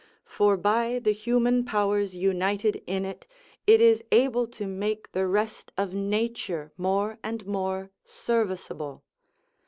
For by the human powers united in it, it is able to make the rest of nature more and more serviceable.